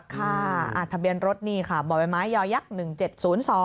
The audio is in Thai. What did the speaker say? ค่ะทะเบียนรถนี่ค่ะบ่อใบไม้ยอยักษ์๑๗๐๒